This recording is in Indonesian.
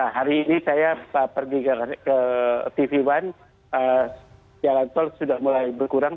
hari ini saya pergi ke tv one jalan tol sudah mulai berkurang